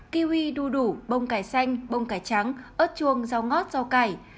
kiwi đu đủ bông cải xanh bông cải trắng ớt chuông rau ngót rau cải